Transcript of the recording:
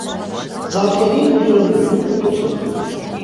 Ձագերին ջուր են բերում կտուցով։